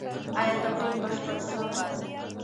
ایا تمرین بشپړ سوی؟